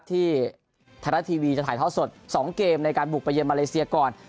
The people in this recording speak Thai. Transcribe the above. ที่ธนาทีวีจะถ่ายเท่าสดสองเกมในการบุกไปเย็นมาเลเซียก่อน